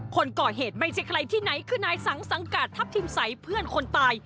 คนก่อเหตุไม่ใช่ใครที่ไหนคือนายสังสังกัดทัพทิมใสเพื่อนคนตาย